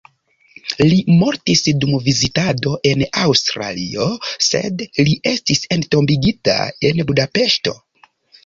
Li mortis dum vizitado en Aŭstralio, sed li estis entombigita en Budapeŝto.